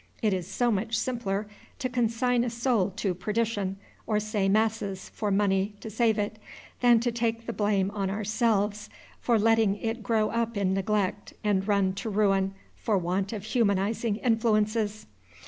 It is so much simpler to consign a soul to perdition, or say masses, for money, to save it, than to take the blame on ourselves for letting it grow up in neglect and run to ruin for want of humanizing influences!